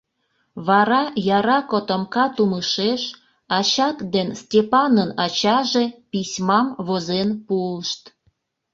Вара яра котомка тумышеш ачат ден Степанын ачаже письмам возен пуышт...